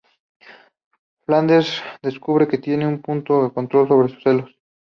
Flanders descubre que tiene muy poco control sobre sus celos.